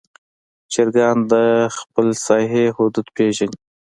چرګان د خپل ساحې حدود پېژني.